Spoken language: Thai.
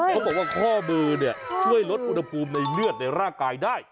เขาบอกว่าข้อมือช่วยลดอุณหภูมิในเลือดในร่างกายได้